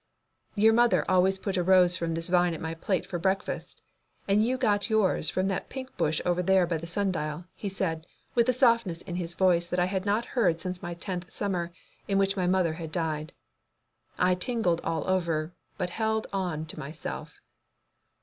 "Your mother always put a rose from this vine at my plate for breakfast, and you got yours from that pink bush over there by the sun dial," he said, with a softness in his voice that I had not heard since my tenth summer, in which my mother had died. I tingled all over, but held on to myself.